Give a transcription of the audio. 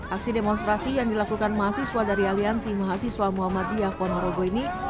aksi demonstrasi yang dilakukan mahasiswa dari aliansi mahasiswa muhammadiyah ponorogo ini